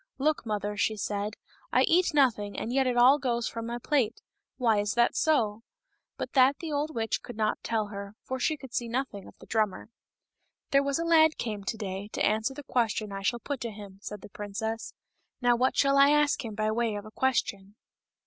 " Look, mother !*' she said, " I eat nothing, and yet it all goes from my plate ; why is that so ?" But that the old witch could not tell her, for she could see nothing of the drummer. "There was a lad came to day to answer the question I shall put to him," said the princess. " Now what shall I ask him by way of a question